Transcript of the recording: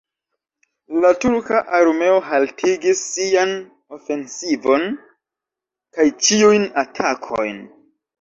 La turka armeo haltigis sian ofensivon kaj ĉiujn atakojn.